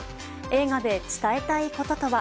映画で伝えたいこととは？